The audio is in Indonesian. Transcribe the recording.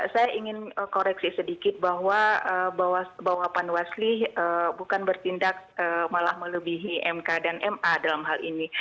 saya ingin koreksi sedikit bahwa panwasli bukan bertindak malah melebihi mk dan ma dalam hal ini